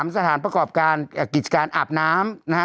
สถานประกอบการกิจการอาบน้ำนะฮะ